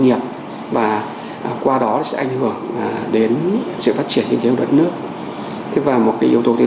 nghiệp và qua đó sẽ ảnh hưởng đến sự phát triển kinh tế của đất nước thế và một cái yếu tố tiên